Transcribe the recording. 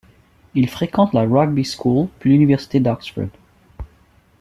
Il fréquente la Rugby School puis l'université d'Oxford.